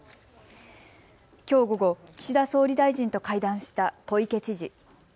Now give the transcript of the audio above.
きょう午後、岸田総理大臣と会談した小池知事。